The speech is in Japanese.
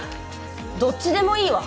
どっちでもいいわ！